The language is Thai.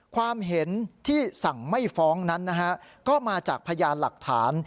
ความเห็นที่สั่งไม่ฟ้องนั้นนะฮะก็มาจากพยานหลักฐาน